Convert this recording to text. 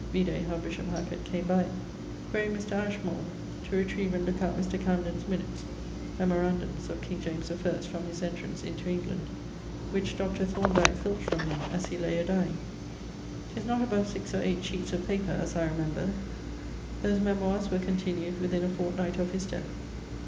Vide how bishop Hacket came by it. Quaere Mr. Ashmole to retrive and looke out Mr. Camden's minutes (memorandums) of King James I from his entrance into England, which Dr. Thorndyke[XXXVII.] filched from him as he lay a dyeing. 'Tis not above 6 or 8 sheetes of paper, as I remember. Those memoires were continued within a fortnight of his death.